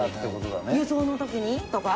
輸送の時にとか？